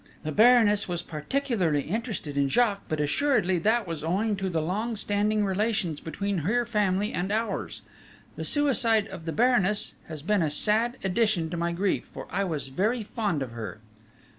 The Baroness was particularly interested in Jacques, but assuredly that was owing to the long standing relations between her family and ours.... The suicide of the Baroness has been a sad addition to my grief, for I was very fond of her!..."